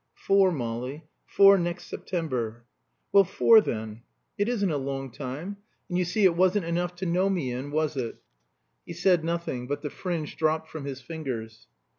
"Four, Molly four next September." "Well, four then. It isn't a long time. And you see it wasn't enough, to know me in, was it?" He said nothing; but the fringe dropped from his fingers.